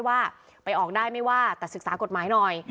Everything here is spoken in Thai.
ว่าไปออกได้ไม่ว่าแต่ศึกษากฎหมายหน่อย